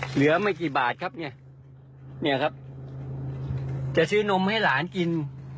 เหลือไม่กี่บาทครับเนี่ยครับจะซื้อนมให้หลานกิน